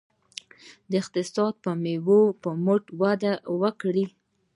اقتصاد به د میوو په مټ وده وکړي.